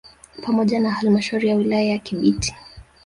Pamoja na halmashauri ya wilaya ya Kibiti